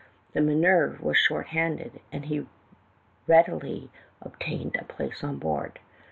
The Minerve was short handed, and he readily obtained a place on board.